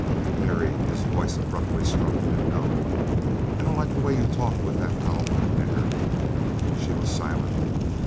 "Mary," his voice abruptly struck a new note. "I don't like the way you talk with that Alwyn nigger." She was silent.